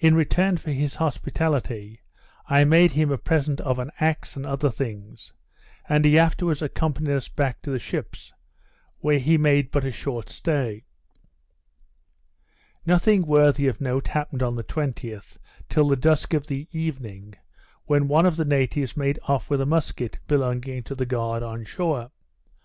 In return for his hospitality, I made him a present of an axe and other things; and he afterwards accompanied us back to the ships, where he made but a short stay. Nothing worthy of note happened on the 20th, till the dusk of the evening, when one of the natives made off with a musquet belonging to the guard on shore.